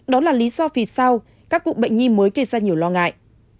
đó là lý do vì sao các cụ bệnh nhi mới gây ra nhiều lo ngại